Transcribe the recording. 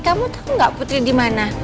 kamu tau gak putri di mana